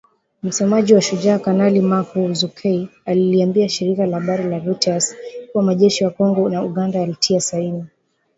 Msemaji wa Shujaa, Kanali Mak Hazukay, aliliambia shirika la habari la reuters kuwa majeshi ya Kongo na Uganda yalitia saini